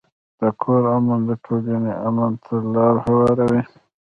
د کور امن د ټولنې امن ته لار هواروي.